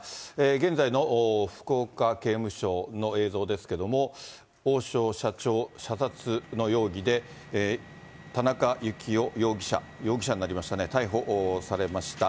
現在の福岡刑務所の映像ですけども、王将社長射殺の容疑で、田中幸雄容疑者、容疑者になりましたね、逮捕されました。